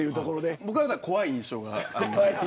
僕は、怖い印象がありました。